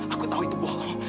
aku tahu itu bohong